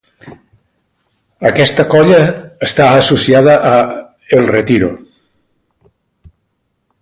Aquesta colla està associada a El Retiro.